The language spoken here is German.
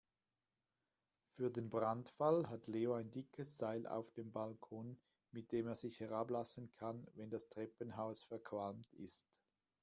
Für den Brandfall hat Leo ein dickes Seil auf dem Balkon, mit dem er sich herablassen kann, wenn das Treppenhaus verqualmt ist.